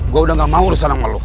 gue udah nggak mau urusan sama lu